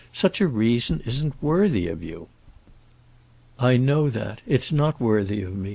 Such a reason isn't worthy of you." "I know that; it's not worthy of me.